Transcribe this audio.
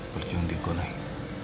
kerjaan di konaing